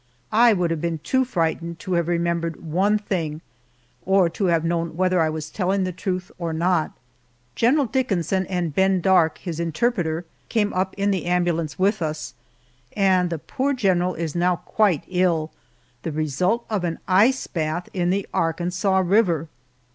I would have been too frightened to have remembered one thing, or to have known whether I was telling the truth or not. General Dickinson and Ben dark, his interpreter, came up in the ambulance with us, and the poor general is now quite ill, the result of an ice bath in the Arkansas River!